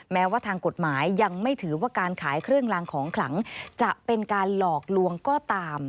แม้ว่าทางกฎหมายยังไม่ถือว่าการขายเครื่องลางของขลังจะเป็นการหลอกลวงก็ตาม